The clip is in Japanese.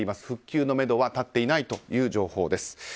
復旧のめどは立っていないという情報です。